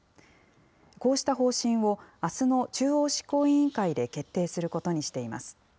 こうした方針をあすの中央執行委員会で決定することにしています。